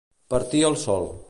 Partir el sol.